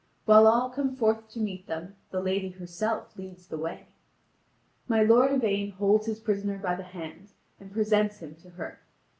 While all come forth to meet them, the lady herself leads the way. My lord Yvain holds his prisoner by the hand, and presents him to her.